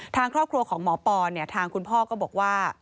ทางครอบครัวของหมอปอเนี่ยทางคุณพ่อก็บอกว่า